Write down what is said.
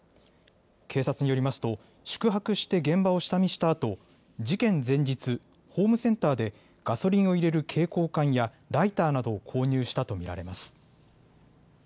警察によりますと宿泊して現場を下見したあと事件前日、ホームセンターでガソリンを入れる携行缶やライターなどを購入したと見られます。